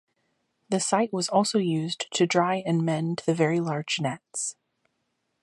The site was also used to dry and mend the very large nets.